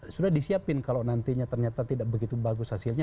sudah disiapin kalau nantinya ternyata tidak begitu bagus hasilnya